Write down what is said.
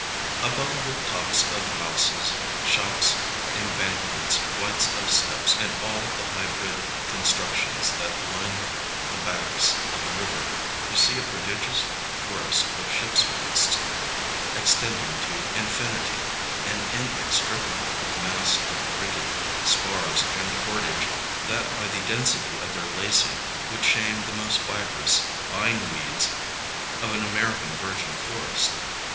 Above the tops of the houses, shops, embankments, flights of steps and all the hybrid constructions that line the banks of the river, you see a prodigious forest of ships' masts extending to infinity : an inextricable mass of rigging, spars and 4a l"^' . A DAY IN LONDON 43 cordage that by the density of their lacing would shame the most fibrous bind weeds of an American virgin forest.